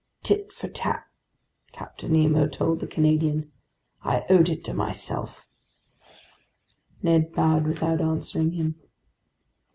"Tit for tat," Captain Nemo told the Canadian. "I owed it to myself!" Ned bowed without answering him.